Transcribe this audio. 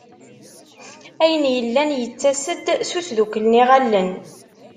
Ayen yellan yettas-d s usdukel n yiɣallen.